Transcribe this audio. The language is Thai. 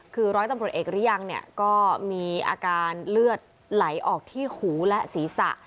คือร้อยตำรวจเอกหรือยังเนี่ยก็มีอาการเลือดไหลออกที่หูและศีรษะ